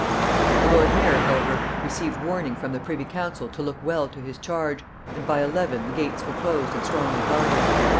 The lord mayor however received warning from the privy council to look well to his charge, and by eleven the gates were closed and strongly guarded.